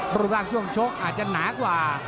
ปรุงรักช่วงชกอาจจะหนากว่า